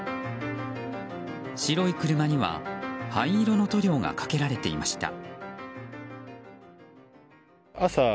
白い車には灰色の塗料がかけられていました。